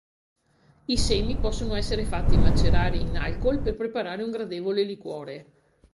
I semi possono essere fatti macerare in alcool per preparare un gradevole liquore.